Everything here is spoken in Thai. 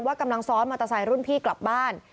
กำลังซ้อนมอเตอร์ไซค์รุ่นพี่กลับบ้าน